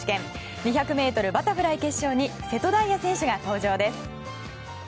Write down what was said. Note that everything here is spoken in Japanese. ２００ｍバタフライ決勝に瀬戸大也選手が登場です。